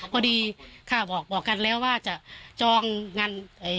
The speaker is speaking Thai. พอดีบอกกันแล้วว่าจะจองนาน